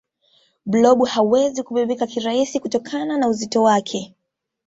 blob hawezi kubebeka kirasi kutokana na uzito wake